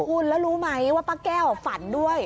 คุณแล้วรู้ไหมว่าป้าแก้วฝันด้วย